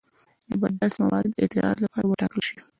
نو باید داسې موارد د اعتراض لپاره وټاکل شي.